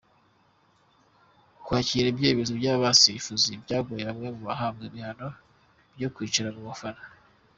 Kwakira ibyemezo by’abasifuzi byagoye bamwe bahabwa ibihano byo kwicara mu bafana.